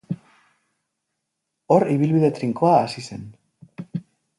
Hor ibilbide trinkoa hasi zen.